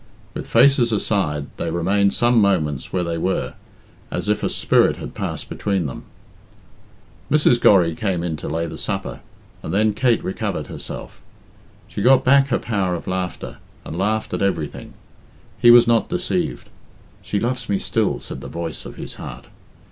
With faces aside, they remained some moments where they were, as if a spirit had passed between them. Mrs. Gorry came in to lay the supper, and then Kate recovered herself. She got back her power of laughter, and laughed at everything. He was not deceived. "She loves me still," said the voice of his heart.